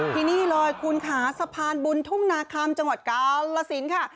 ที่นี่เลยคุณค่ะสะพานบุญทุ่งนาคำจังหวัดกาลสินค่ะ